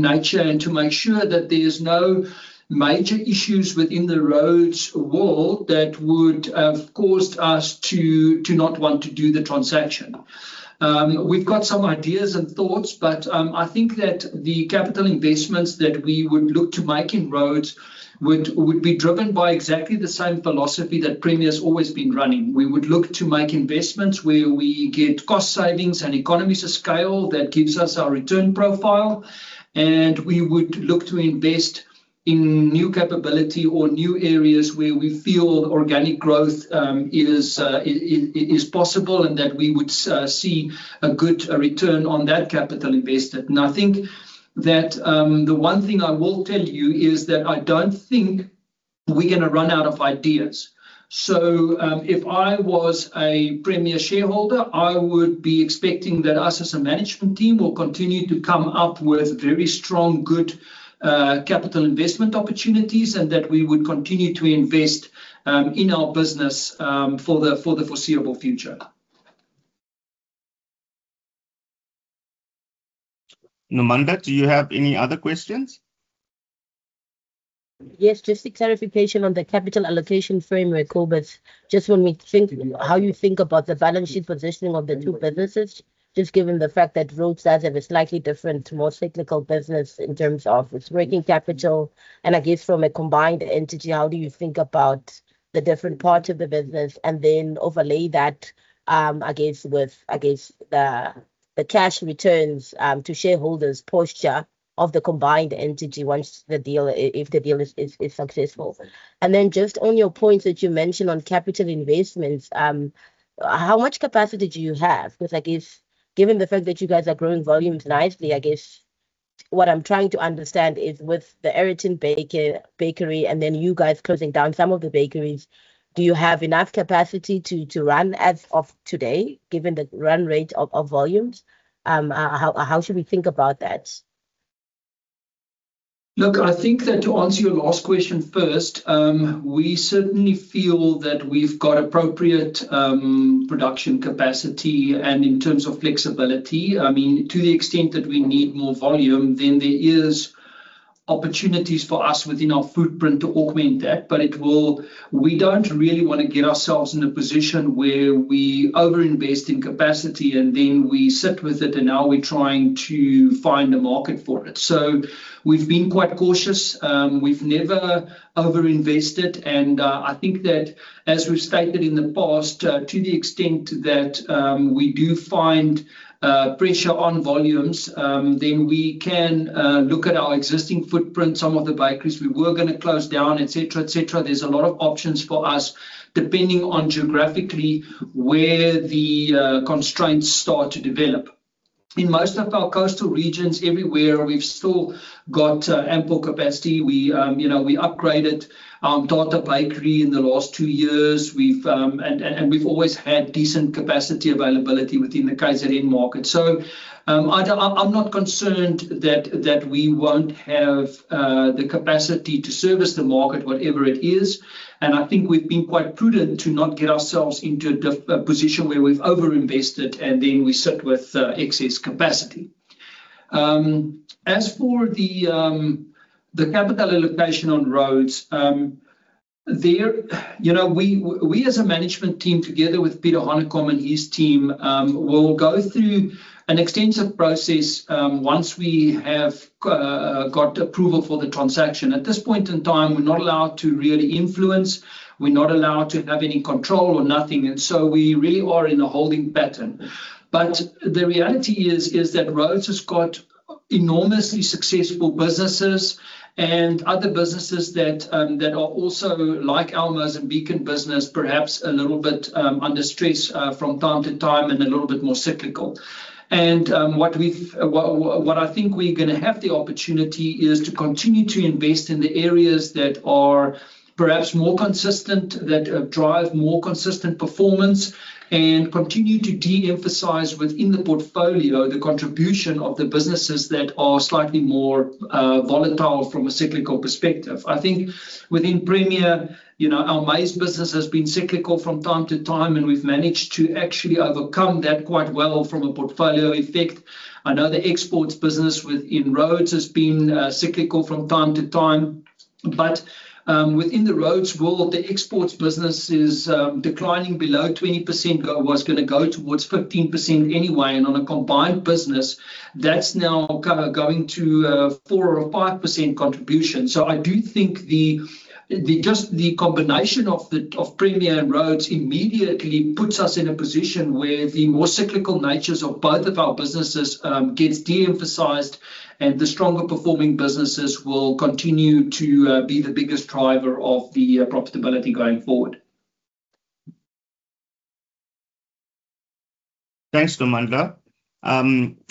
nature and to make sure that there's no major issues within the Rhodes world that would have caused us to not want to do the transaction. We've got some ideas and thoughts, but I think that the capital investments that we would look to make in Rhodes would be driven by exactly the same philosophy that Premier's always been running. We would look to make investments where we get cost savings and economies of scale that gives us our return profile. And we would look to invest in new capability or new areas where we feel organic growth is possible and that we would see a good return on that capital invested. And I think that the one thing I will tell you is that I don't think we're going to run out of ideas. So if I was a Premier shareholder, I would be expecting that us as a management team will continue to come up with very strong, good capital investment opportunities and that we would continue to invest in our business for the foreseeable future. Nomandla, do you have any other questions? Yes. Just a clarification on the capital allocation framework, Kobus. Just when we think how you think about the balance sheet positioning of the two businesses, just given the fact that Rhodes has a slightly different, more cyclical business in terms of its working capital. I guess from a combined entity, how do you think about the different parts of the business and then overlay that against the cash returns to shareholders' posture of the combined entity if the deal is successful? And then just on your points that you mentioned on capital investments, how much capacity do you have? Because I guess given the fact that you guys are growing volumes nicely, I guess what I'm trying to understand is with the Aeroton bakery and then you guys closing down some of the bakeries, do you have enough capacity to run as of today given the run rate of volumes? How should we think about that? Look, I think that to answer your last question first, we certainly feel that we've got appropriate production capacity and in terms of flexibility. I mean, to the extent that we need more volume, then there are opportunities for us within our footprint to augment that, but we don't really want to get ourselves in a position where we overinvest in capacity and then we sit with it and now we're trying to find a market for it. So we've been quite cautious. We've never overinvested. And I think that as we've stated in the past, to the extent that we do find pressure on volumes, then we can look at our existing footprint, some of the bakeries we were going to close down, etc., etc. There's a lot of options for us depending on geographically where the constraints start to develop. In most of our coastal regions, everywhere, we've still got ample capacity. We upgraded our Durban bakery in the last two years, and we've always had decent capacity availability within the KwaZulu-Natal market. So I'm not concerned that we won't have the capacity to service the market, whatever it is, and I think we've been quite prudent to not get ourselves into a position where we've overinvested and then we sit with excess capacity. As for the capital allocation on Rhodes, we as a management team together with Pieter Hanekom and his team will go through an extensive process once we have got approval for the transaction. At this point in time, we're not allowed to really influence. We're not allowed to have any control or nothing, and so we really are in a holding pattern. But the reality is that Rhodes has got enormously successful businesses and other businesses that are also like our Mozambican business, perhaps a little bit under stress from time to time and a little bit more cyclical. And what I think we're going to have the opportunity is to continue to invest in the areas that are perhaps more consistent, that drive more consistent performance, and continue to de-emphasize within the portfolio the contribution of the businesses that are slightly more volatile from a cyclical perspective. I think within Premier, our maize business has been cyclical from time to time, and we've managed to actually overcome that quite well from a portfolio effect. I know the exports business within Rhodes has been cyclical from time to time. But within the Rhodes world, the exports business is declining below 20%. Was going to go towards 15% anyway. On a combined business, that's now going to 4% or 5% contribution. So I do think just the combination of Premier and Rhodes immediately puts us in a position where the more cyclical natures of both of our businesses get de-emphasized, and the stronger performing businesses will continue to be the biggest driver of the profitability going forward. Thanks, Nomandla.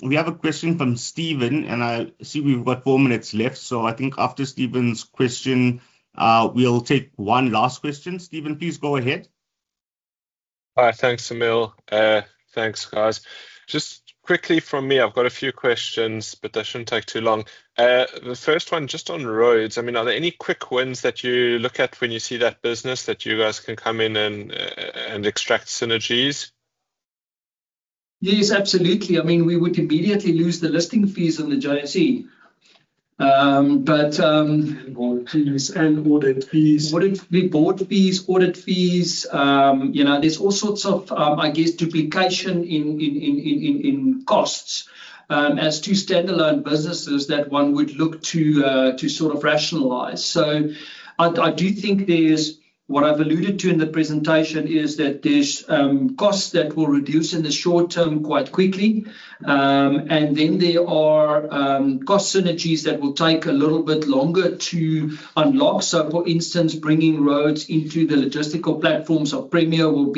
We have a question from Steven, and I see we've got four minutes left. So I think after Steven's question, we'll take one last question. Steven, please go ahead. Thanks, Emil. Thanks, guys. Just quickly from me, I've got a few questions, but that shouldn't take too long. The first one, just on Rhodes, I mean, are there any quick wins that you look at when you see that business that you guys can come in and extract synergies? Yes, absolutely. I mean, we would immediately lose the listing fees on the JSE, but audit fees, board fees. There's all sorts of, I guess, duplication in costs as two standalone businesses that one would look to sort of rationalize, so I do think there's what I've alluded to in the presentation is that there's costs that will reduce in the short term quite quickly. And then there are cost synergies that will take a little bit longer to unlock, so, for instance, bringing Rhodes into the logistical platforms of Premier will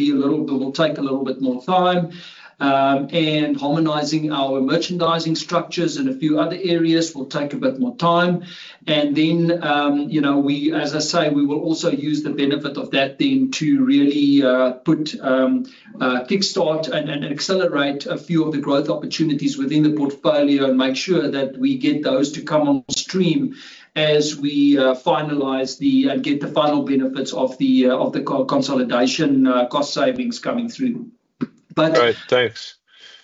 take a little bit more time. And harmonizing our merchandising structures and a few other areas will take a bit more time. And then, as I say, we will also use the benefit of that then to really put kickstart and accelerate a few of the growth opportunities within the portfolio and make sure that we get those to come on stream as we finalize and get the final benefits of the consolidation cost savings coming through.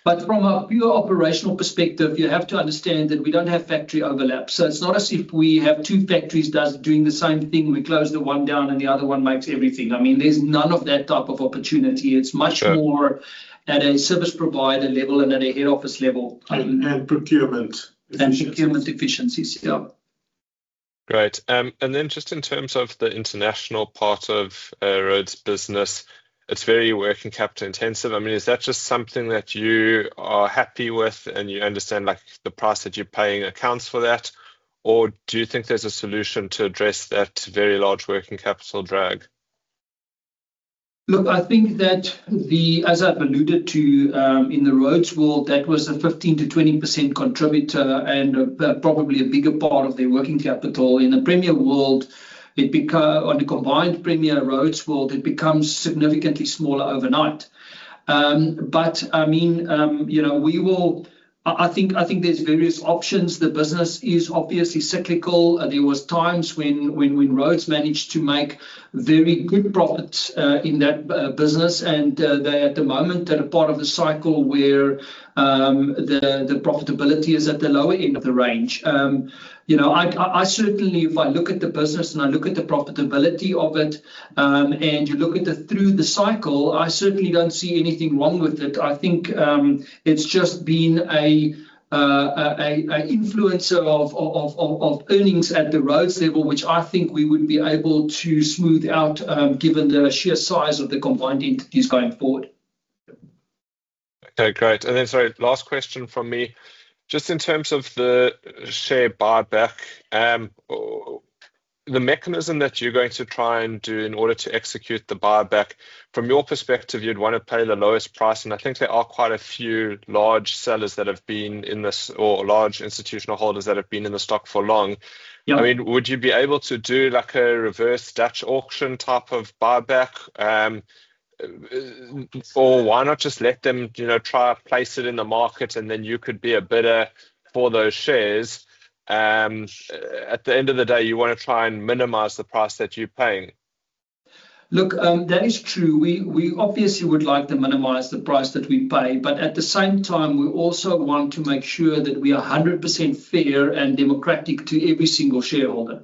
But from a pure operational perspective, you have to understand that we don't have factory overlap. So it's not as if we have two factories doing the same thing. We close the one down, and the other one makes everything. I mean, there's none of that type of opportunity. It's much more at a service provider level and at a head office level. And procurement efficiencies. And procurement efficiencies, yeah. Great. And then just in terms of the international part of Rhodes business, it's very working capital intensive. I mean, is that just something that you are happy with and you understand the price that you're paying accounts for that? Or do you think there's a solution to address that very large working capital drag? Look, I think that, as I've alluded to in the Rhodes world, that was a 15%-20% contributor and probably a bigger part of their working capital. In the Premier world, on the combined Premier Rhodes world, it becomes significantly smaller overnight. But I mean, we will I think there's various options. The business is obviously cyclical. There were times when Rhodes managed to make very good profits in that business, and they at the moment are part of the cycle where the profitability is at the lower end of the range. I certainly, if I look at the business and I look at the profitability of it and you look at it through the cycle, I certainly don't see anything wrong with it. I think it's just been an influencer of earnings at the Rhodes level, which I think we would be able to smooth out given the sheer size of the combined entities going forward. Okay, great. And then, sorry, last question from me. Just in terms of the share buyback, the mechanism that you're going to try and do in order to execute the buyback, from your perspective, you'd want to pay the lowest price. And I think there are quite a few large sellers that have been in this or large institutional holders that have been in the stock for long. I mean, would you be able to do a reverse Dutch auction type of buyback? Or why not just let them try to place it in the market, and then you could be a bidder for those shares? At the end of the day, you want to try and minimize the price that you're paying. Look, that is true. We obviously would like to minimize the price that we pay, but at the same time, we also want to make sure that we are 100% fair and democratic to every single shareholder.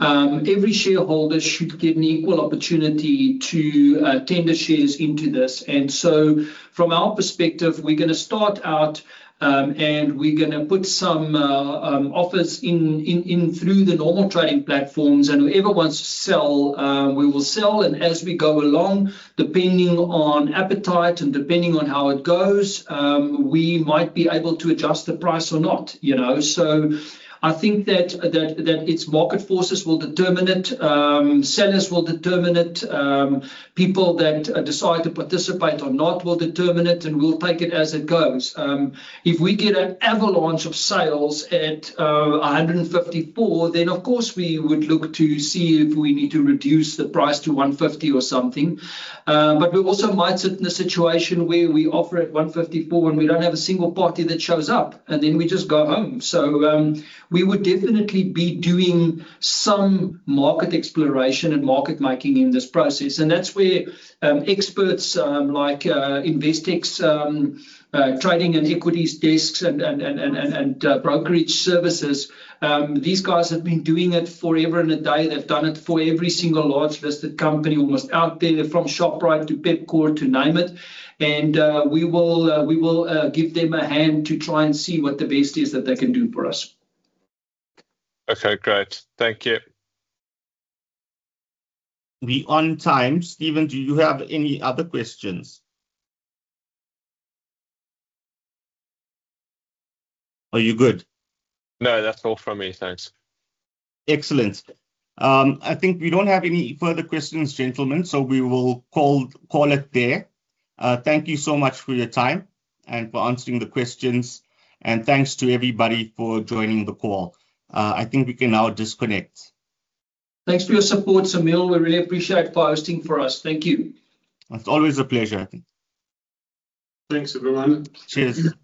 Every shareholder should get an equal opportunity to tender shares into this. And so, from our perspective, we're going to start out, and we're going to put some offers in through the normal trading platforms. And whoever wants to sell, we will sell. And as we go along, depending on appetite and depending on how it goes, we might be able to adjust the price or not. So I think that its market forces will determine it. Sellers will determine it. People that decide to participate or not will determine it, and we'll take it as it goes. If we get an avalanche of sales at 154, then, of course, we would look to see if we need to reduce the price to 150 or something. But we also might sit in a situation where we offer at 154 and we don't have a single party that shows up, and then we just go home. So we would definitely be doing some market exploration and market making in this process. And that's where experts like Investec, trading and equities desks, and brokerage services, these guys have been doing it forever and a day. They've done it for every single large listed company almost out there from Shoprite to Pepkor to name it. And we will give them a hand to try and see what the best is that they can do for us. Okay, great. Thank you. We are on time. Steven, do you have any other questions? Are you good? No, that's all from me. Thanks. Excellent. I think we don't have any further questions, gentlemen, so we will call it there. Thank you so much for your time and for answering the questions. And thanks to everybody for joining the call. I think we can now disconnect. Thanks for your support, Emil. We really appreciate hosting for us. Thank you. It's always a pleasure. Thanks, everyone. Cheers.